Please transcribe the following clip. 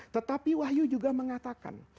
tetapi wahyu juga mengatakan